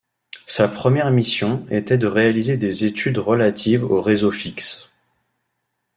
Sa première mission était de réaliser des études relatives aux réseaux fixes.